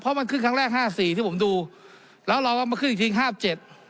เพราะมันขึ้นครั้งแรกห้าสี่ที่ผมดูแล้วเราก็มาขึ้นอีกทีห้าเจ็ด